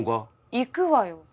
行くわよ。